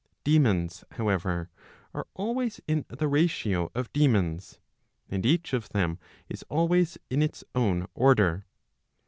Daemons, however, are always in the ratio of daemons, and each of them is always in its own order.